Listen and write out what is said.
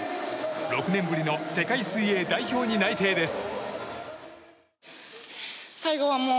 ６年ぶりの世界水泳代表に内定です。